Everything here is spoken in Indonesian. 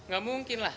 gak mungkin lah